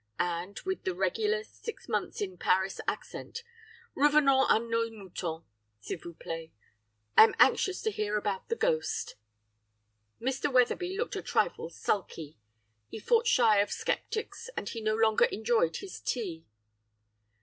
and with the regular six months in Paris accent 'revenons à nos moutons, s'il vous plait. I am anxious to hear about the ghost.' "Mr. Wetherby looked a trifle sulky; he fought shy of sceptics, and he no longer enjoyed his tea.